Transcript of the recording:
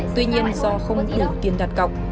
tuy nhiên do không đủ tiền đặt cọc